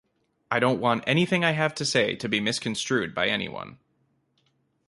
I don't want anything I have to say to be misconstrued by anyone.